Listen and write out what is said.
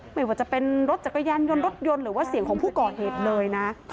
ไม่ว่าจะเป็นรถจักรยานยนต์รถยนต์หรือว่าเสียงของผู้ก่อเหตุเลยนะ